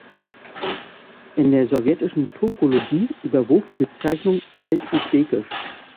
In der sowjetischen Turkologie überwog die Bezeichnung "Alt-Usbekisch".